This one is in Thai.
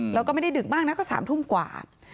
แล้วก็ไม่ได้ดึกมากนะก็๓ทุ่มกว่า